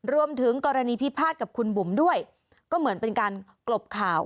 รวมถึงกรณีพิพาทกับคุณบุ๋มด้วยก็เหมือนเป็นการกลบข่าว